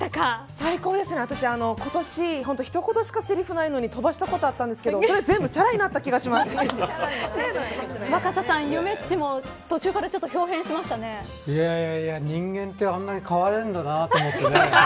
最高ですね、私は今年一言しかセリフがないのに飛ばしたことあったんですけどそれが全部チャラに若狭さん、ゆめっちも途中から人間って、あんなに変われるんだなと思って。